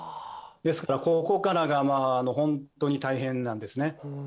ですから、ここからが本当に大変なんですね。